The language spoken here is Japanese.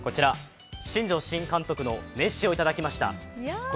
新庄新監督の名刺をいただきました。